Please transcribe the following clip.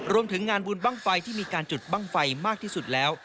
รวมถึงงานบุญบ้างไฟที่มีการจุดบ้างไฟมากที่สุดแล้ว